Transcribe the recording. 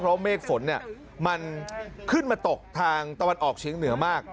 เพราะเมฆฝนมันขึ้นมาตกทางตะวันออกเชียงเหนือมาก